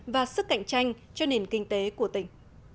và sức cạnh tranh cho nền kinh tế của tỉnh